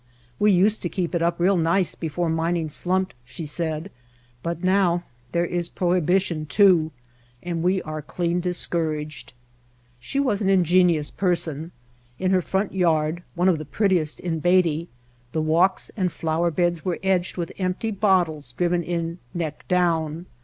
"We used to keep it up real nice before mining slumped," she said, "but now there is prohibi tion, too, and we are clean discouraged." She was an ingenious person. In her front yard, one of the prettiest in Beatty, the walks and flower beds were edged with empty bottles driven in neck down.